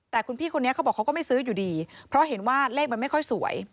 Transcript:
แต่คุณพี่คนนี้เขาบอกเขาก็ไม่ซื้ออยู่ดีเพราะเห็นว่าเลขมันไม่ค่อยสวย